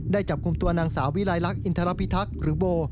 จับกลุ่มตัวนางสาววิลัยลักษ์อินทรพิทักษ์หรือโบ